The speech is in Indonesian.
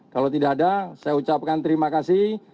kalau tidak ada saya ucapkan terima kasih